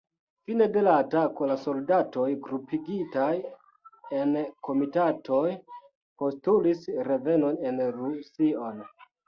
Fine de la atako, la soldatoj grupigitaj en komitatoj postulis revenon en Rusion.